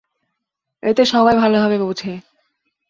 এতে সবাই ভালোভাবে বোঝে।